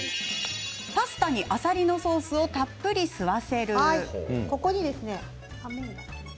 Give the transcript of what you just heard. パスタに、あさりのソースをたっぷり吸わせる。